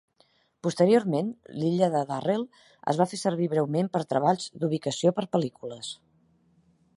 Posteriorment, l'illa de Darrell es va fer servir breument per treballs d'ubicació per pel·lícules.